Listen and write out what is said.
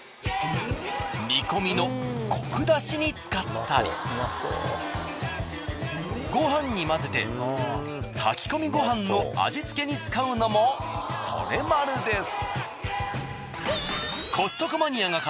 煮込みのコク出しに使ったりごはんに混ぜて炊き込みごはんの味つけに使うのもソレマルです。